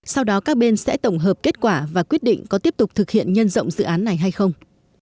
sau đó các bên sẽ tổng hợp kết quả và quyết định có tiếp tục thực hiện nhân rộng dự án này hay không